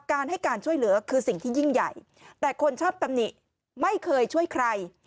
การให้การช่วยเหลือคือสิ่งที่ยิ่งใหญ่แต่คนชอบตำหนิไม่เคยช่วยใคร